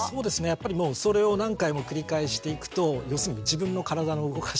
やっぱりもうそれを何回も繰り返していくと要するに自分の体の動かし方